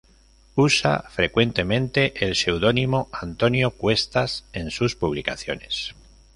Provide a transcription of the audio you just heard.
Usa frecuentemente el pseudónimo Antonio Cuestas en sus publicaciones.